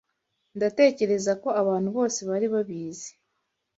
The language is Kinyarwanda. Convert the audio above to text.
Ndatekereza ko abantu bose bari babizi.